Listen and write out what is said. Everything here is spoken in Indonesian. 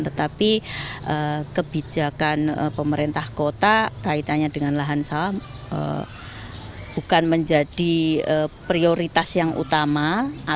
tetapi kebijakan pemerintah kota kaitannya dengan lahan sawah bukan menjadi prioritas yang utama